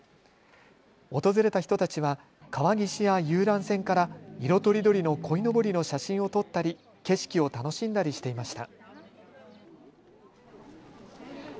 訪れた人たちは川岸や遊覧船から色とりどりのこいのぼりの写真を撮ったり景色を楽しんだりしていました。